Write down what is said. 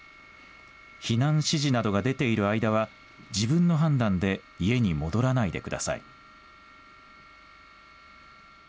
避難指示などが出ている間は自分の判断で家に戻らないでください。